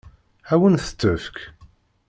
Ad wen-t-tefk?